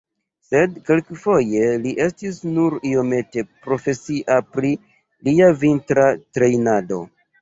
Sed kelkfoje li estis nur iomete profesia pri lia vintra trejnado.